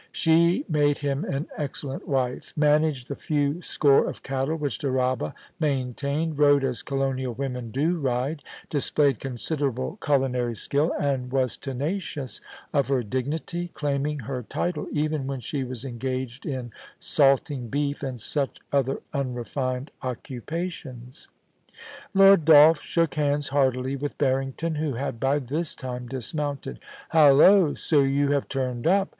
She made him an excellent wife, managed the few score of cattle which Dyraaba maintained, rode as colonial women do ride, displayed considerable culinary skill, and was tenacious of her dignity, claiming her title even when she was engaged in salting beef and such other unrefined occupations. Lord Dolph shook hands heartily with Barrington, who had by this time dismounted * Hallo ! so you have turned up.